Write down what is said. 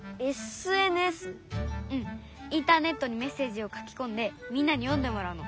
うんインターネットにメッセージを書きこんでみんなに読んでもらうの。